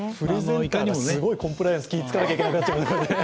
すごいコンプライアンス気を遣わなきゃいけなくなっちゃいますよね。